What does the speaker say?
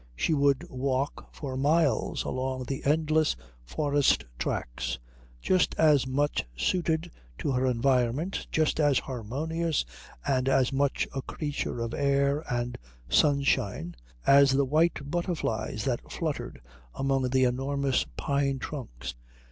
She would walk for miles along the endless forest tracks, just as much suited to her environment, just as harmonious and as much a creature of air and sunshine as the white butterflies that fluttered among the enormous pine trunks.